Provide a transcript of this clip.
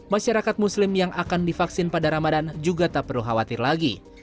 masyarakat muslim yang akan divaksin pada ramadan juga tak perlu khawatir lagi